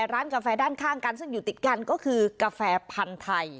ร้านกาแฟด้านข้างกันซึ่งอยู่ติดกันก็คือกาแฟพันธุ์ไทย